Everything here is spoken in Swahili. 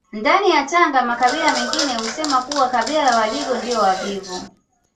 Ndani ya Tanga makabila mengine husema kuwa kabila la Wadigo ndio wavivu